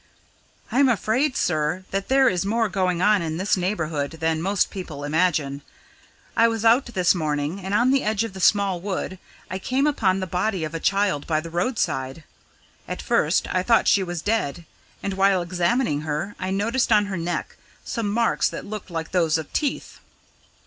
"I am afraid, sir, that there is more going on in this neighbourhood than most people imagine. I was out this morning, and on the edge of the small wood, I came upon the body of a child by the roadside. At first, I thought she was dead, and while examining her, I noticed on her neck some marks that looked like those of teeth."